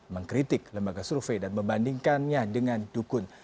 mengkritik lembaga survei dan membandingkannya dengan dukun